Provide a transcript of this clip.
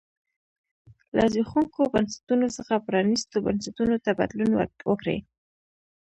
له زبېښونکو بنسټونو څخه پرانیستو بنسټونو ته بدلون وکړي.